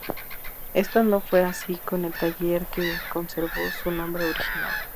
Esto no fue así con el taller que conservó su nombre original.